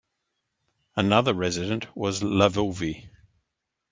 Another resident was Lavovi.